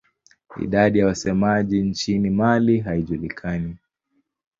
Idadi ya wasemaji nchini Mali haijulikani.